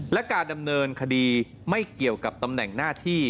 และการดำเนินคดีไม่เกี่ยวกับตำแหน่งหน้าที่